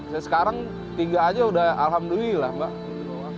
saya sekarang tiga aja udah alhamdulillah mbak